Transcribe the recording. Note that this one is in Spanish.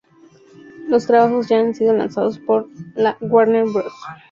Los trabajos ya han sido lanzados por la "Warner Bros.